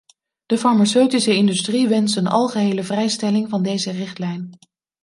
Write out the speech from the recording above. De farmaceutische industrie wenst een algehele vrijstelling van deze richtlijn.